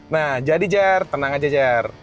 nah jadi jar tenang aja jar